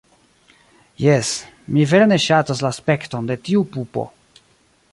Jes... mi vere ne ŝatas la aspekton de tiu pupo.